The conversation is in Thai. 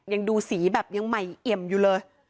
ยังดูสีแบบยังใหม่เอ็มอยู่เลย